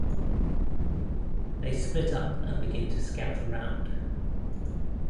They split up and begin to scout around.